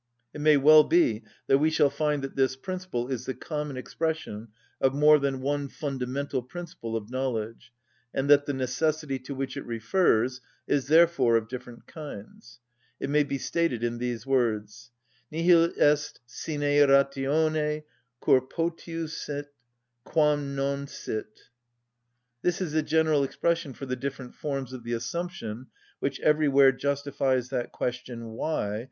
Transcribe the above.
It may well be that we shall find that this principle is the common expression of more than one fundamental principle of knowledge, and that the necessity, to which it refers, is therefore of different kinds. It may be stated in these words: Nihil est sine ratione cur potius sit, quam non sit. This is the general expression for the different forms of the assumption which everywhere justifies that question "Why?"